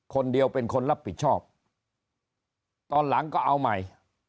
เป็นคนรับผิดชอบตอนหลังก็เอาใหม่